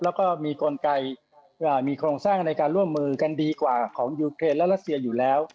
แล้วก็มีกลไกมีโครงสร้างในการร่วมมือกันดีกว่าของยูเครนและรัสเซียอยู่แล้ว